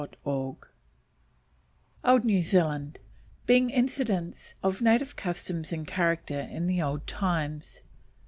net OLD NEW ZEALAND: BEING INCIDENTS OF NATIVE CUSTOMS AND CHARACTER IN THE OLD TIMES.